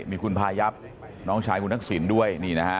มีคุณพายับน้องชายคุณทักษิณด้วยนี่นะฮะ